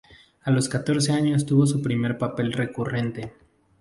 A los catorce años tuvo su primer papel recurrente.